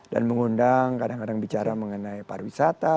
dan mengundang kadang kadang bicara mengenai pariwisata